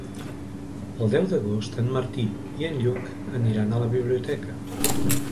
El deu d'agost en Martí i en Lluc aniran a la biblioteca.